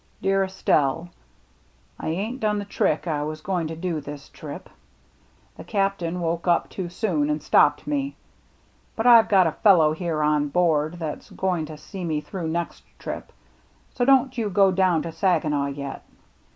" Dear Estelle : I ain't done the trick I was going to do this trip. The Captain 138 THE MERRT ANNE woke up too soon and stoped me. But I've got a fellow here on bord that's going to see me threw next trip so don't you go down to Saginaw yet.